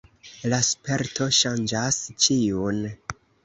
La sperto ŝanĝas ĉiun.